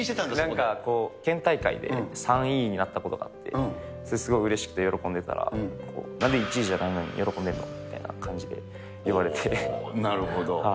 なんかこう、県大会で３位になったことがあって、すごいうれしくて喜んでたらなんで１位じゃないのに喜んでんのみなるほど。